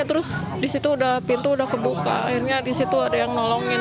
terus disitu pintu udah kebuka akhirnya disitu ada yang nolongin